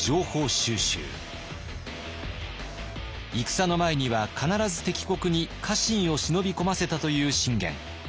戦の前には必ず敵国に家臣を忍び込ませたという信玄。